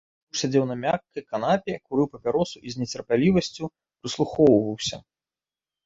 Муж сядзеў на мяккай канапе, курыў папяросу і з нецярплівасцю прыслухоўваўся.